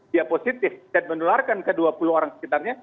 dia positif dan menularkan ke dua puluh orang sekitarnya